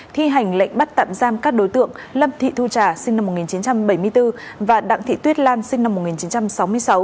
thi hành lệnh bắt tạm giam các đối tượng lâm thị thu trà sinh năm một nghìn chín trăm bảy mươi bốn và đặng thị tuyết lan sinh năm một nghìn chín trăm sáu mươi sáu